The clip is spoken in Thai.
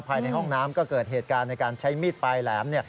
ภายในห้องน้ำก็เกิดเหตุการณ์ในการใช้มีดปลายแหลม